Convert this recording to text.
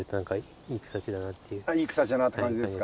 いい草地だなって感じですか。